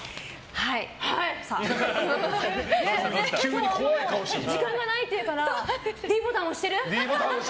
もう時間がないっていうからｄボタン押してる？